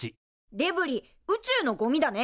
デブリ宇宙のゴミだね。